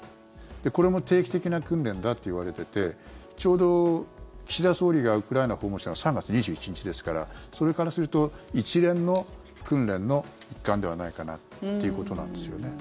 これも定期的な訓練だっていわれててちょうど岸田総理がウクライナ訪問したのが３月２１日ですからそれからすると一連の訓練の一環ではないかなっていうことなんですよね。